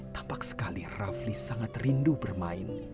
tampak sekali rafli sangat rindu bermain